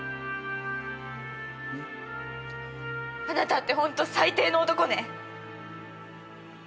あなたってホント最低の男ね。